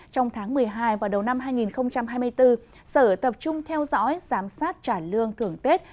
trong tháng một mươi hai và đầu năm hai nghìn hai mươi bốn sở tập trung theo dõi giám sát trả lương thưởng tết